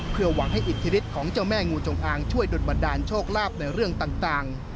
เพื่อหวังให้อิทธิฤทธิของเจ้าแม่งูจงอางช่วยดนบันดาลโชคลาภในเรื่องต่าง